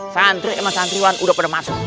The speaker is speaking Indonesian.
santri emang santriwan udah pada masuk